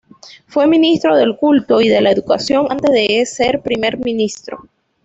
Fue Ministro del Culto y de la Educación antes de ser Primer Ministro.